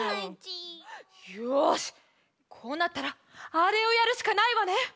よしこうなったらあれをやるしかないわね。